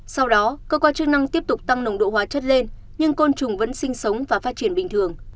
sau đó cơ quan chức năng tiếp tục tăng nồng độ hóa chất lên nhưng côn trùng vẫn sinh sống và phát triển bình thường